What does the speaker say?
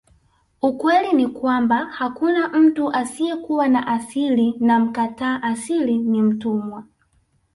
Ukweli ni kwamba hakuna mtu asiyekuwa na asili na mkataa asili ni mtumwa